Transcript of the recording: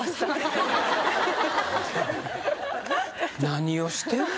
何をしてんの？